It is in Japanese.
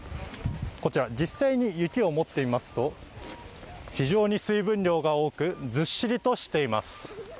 実際に雪を持ってみますと非常に水分量が多くずっしりとしています。